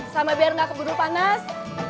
sama biar nggak keburu panas